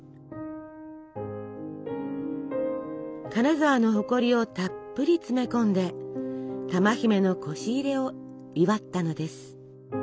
金沢の誇りをたっぷり詰め込んで珠姫のこし入れを祝ったのです。